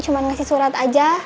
cuma ngasih surat aja